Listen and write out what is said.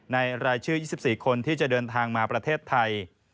รายชื่อ๒๔คนที่จะเดินทางมาประเทศไทย